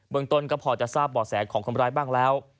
เมืองต้นก็พอจะทราบบ่อแสของคนร้ายบ้างแล้ว